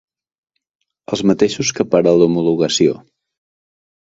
Els mateixos que per a l'homologació.